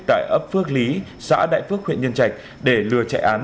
tại ấp phước lý xã đại phước huyện nhân trạch để lừa chạy án